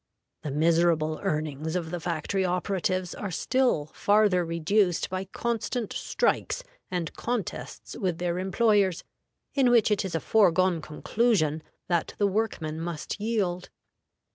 The miserable earnings of the factory operatives are still farther reduced by constant strikes and contests with their employers, in which it is a foregone conclusion that the workmen must yield.